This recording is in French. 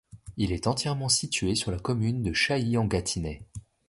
Il est entièrement situé sur la commune de Chailly-en-Gâtinais.